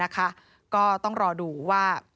ก็ต้องรอดูว่า